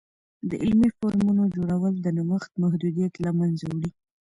د علمي فورمونو جوړول، د نوښت محدودیت له منځه وړي.